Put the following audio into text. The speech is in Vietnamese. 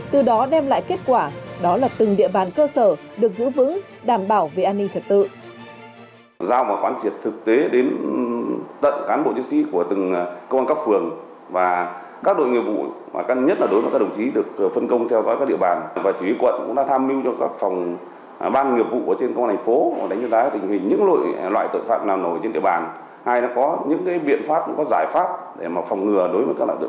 từ đó đem lại kết quả đó là từng địa bàn cơ sở được giữ vững đảm bảo về an ninh trật tự